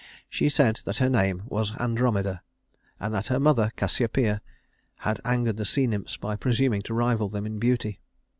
She said that her name was Andromeda, and that her mother, Cassiopeia, had angered the sea nymphs by presuming to rival them in beauty.